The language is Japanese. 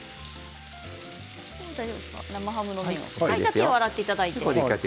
手を洗っていただいて。